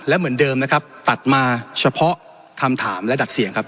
และเหมือนเดิมนะครับตัดมาเฉพาะคำถามและดักเสียงครับ